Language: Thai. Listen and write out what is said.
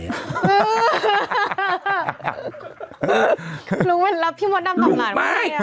เออลุงไปรับพี่มดนำอำนาจไง